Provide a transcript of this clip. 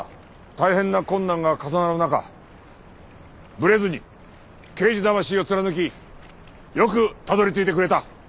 大変な困難が重なる中ブレずに刑事魂を貫きよくたどり着いてくれた。